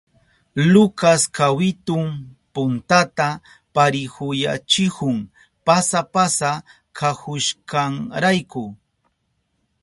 Lucas kawitun puntata parihuyachihun pasa pasa kahushkanrayku.